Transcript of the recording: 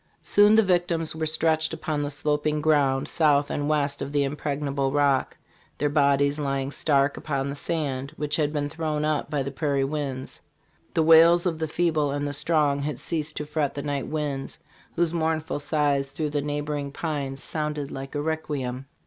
"Soon the victims were stretched upon the sloping ground south and west of the impregnable Rock, their bodies lying stark upon the sand which had been thrown up by the prairie winds. The wails of the feeble and the strong had ceased to fret the night winds, whose mournful sighs through the neighboring pines sounded like a requiem.